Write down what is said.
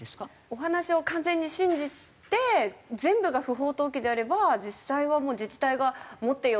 お話を完全に信じて全部が不法投棄であれば実際はもう自治体が持ってよって。